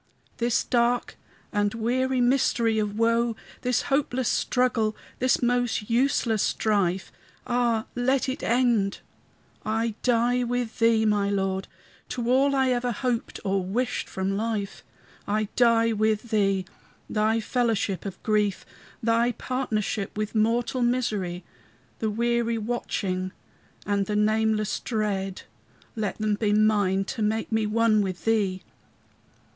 This dark and weary mystery of woe, This hopeless struggle, this most useless strife, Ah, let it end! I die with thee, my Lord, To all I ever hoped or wished from life. I die with thee: thy fellowship of grief, Thy partnership with mortal misery, The weary watching and the nameless dread, Let them be mine to make me one with thee.